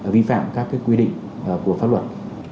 vi phạm các cái quy định của pháp luật